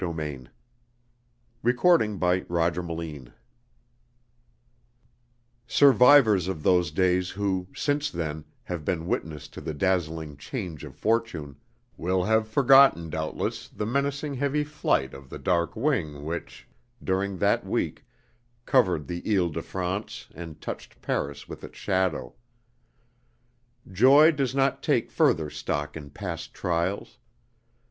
"My babe, my own!" SURVIVORS of those days who, since then, have been witness to the dazzling change of fortune, will have forgotten doubtless the menacing heavy flight of the dark wing which, during that week, covered the Ile de France and touched Paris with its shadow. Joy does not take further stock in past trials.